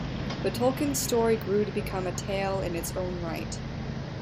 But Tolkien's story grew to become a tale in its own right.